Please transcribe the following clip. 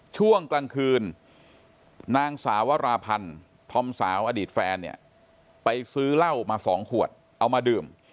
ช่วงกลางคืนนางสาวราพันธ์ธอมสาวอดีตแฟนเนี่ยไปซื้อเหล้ามา๒ขวดเอามาดื่ม